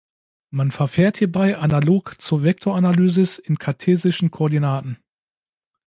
Man verfährt hierbei analog zur Vektoranalysis in kartesischen Koordinaten.